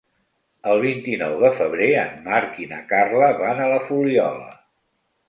El vint-i-nou de febrer en Marc i na Carla van a la Fuliola.